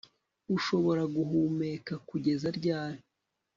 ushobora guhumeka kugeza ryari